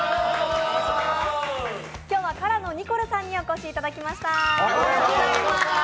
今日はＫＡＲＡのニコルさんにお越しいただきました。